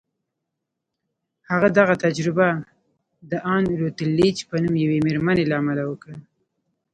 هغه دغه تجربه د ان روتليج په نوم يوې مېرمنې له امله وکړه.